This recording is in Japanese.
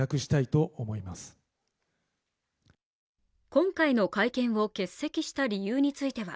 今回の会見を欠席した理由については